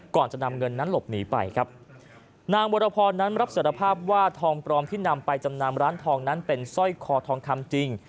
ก่อนจะนำเงินนั้นหลบหนีไปครับนางวรพรนั้นรับสารภาพว่าทองปลอมที่นำไปจำนำร้านทองนั้นเป็นสร้อยคอทองคำจริง